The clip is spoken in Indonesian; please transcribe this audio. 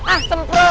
ah sempurna kamu